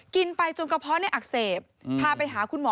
กินไปจนกระเพาะอักเสบพาไปหาคุณหมอ